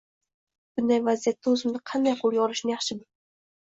bunday vaziyatda oʻzimni qanday qoʻlga olishni yaxshi bilaman.